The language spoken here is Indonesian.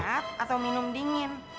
hangat atau minum dingin